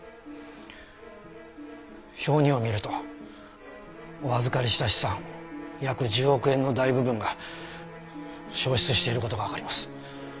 表２を見るとお預かりした資産約１０億円の大部分が消失している事がわかります。